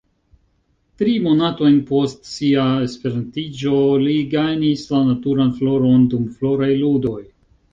Tri monatojn post sia E-iĝo li gajnis la naturan floron dum Floraj Ludoj.